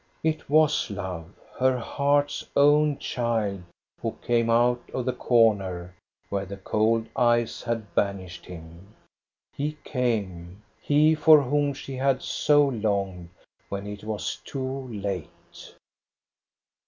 It was love, her heart's own child, who came out of the corner where the cold eyes had banished him. He came, he for whom she had so longed when it was too late.